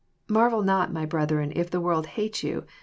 —Marvel not, my brethren, if the world hate you."